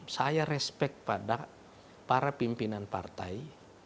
saya respect pada para pimpinan partai